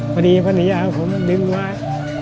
พอดีพระนิยาของมันดึงไว้